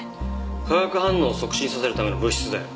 化学反応を促進させるための物質だよ。